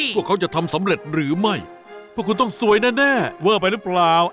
พวกเขาจะทำสำเร็จหรือไม่พวกคุณต้องสวยแน่เวอร์ไปหรือเปล่า